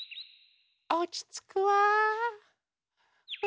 おちつくわ。